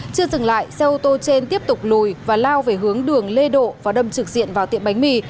chưa dừng lại xe ô tô trên tiếp tục lùi và lao về hướng đường lê độ và đâm trực diện vào tiệm bánh mì